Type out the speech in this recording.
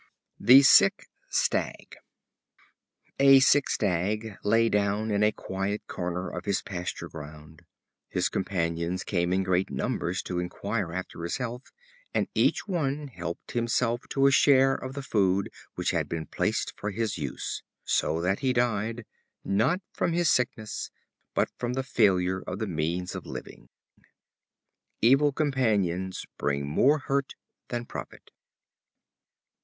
The Sick Stag. A sick Stag lay down in a quiet corner of his pasture ground. His companions came in great numbers to inquire after his health, and each one helped himself to a share of the food which had been placed for his use; so that he died, not from his sickness, but from the failure of the means of living. Evil companions bring more hurt than profit.